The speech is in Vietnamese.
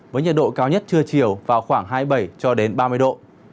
với nhiệt độ cao nhất trưa chiều vào khoảng hai mươi bảy ba mươi độ